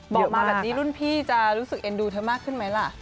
บอกมาแบบนี้รุ่นพี่จะรู้สึกเอ็นดูเธอมากขึ้นไหมล่ะ